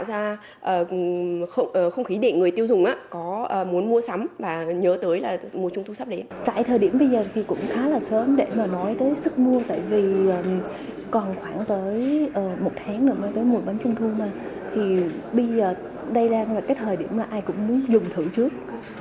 thì bây giờ đây đang là cái thời điểm là ai cũng muốn dùng thử trước